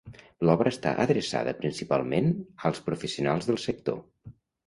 L'obra està adreçada principalment als professionals del sector.